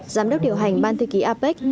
giám đốc điều hành ban thư ký apec